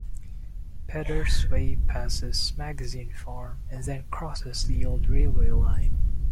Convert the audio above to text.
Peddars Way passes Magazine Farm and then crosses the old railway-line.